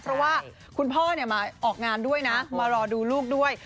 เพราะว่าคุณพ่อมาออกงานด้วยนะมารอดูลูกด้วย